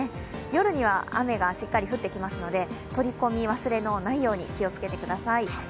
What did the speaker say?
夜には雨がしっかり降ってきますので取り込み忘れのないように気をつけてください。